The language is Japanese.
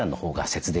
節電。